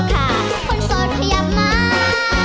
และโสดที่ยังม้าง